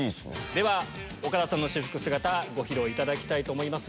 では岡田さんの私服姿ご披露いただきたいと思います。